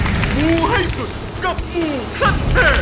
อีกบุ๊ให้สุดกับมูขั้นเทพ